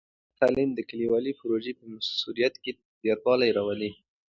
ښځینه تعلیم د کلیوالو پروژو په مؤثریت کې زیاتوالی راولي.